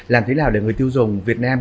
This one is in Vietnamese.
làm thế nào để người tiêu dùng việt nam